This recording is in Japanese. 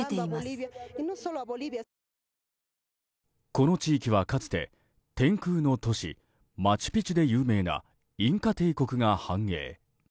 この地域はかつて天空の都市マチュピチュで有名なインカ帝国が繁栄。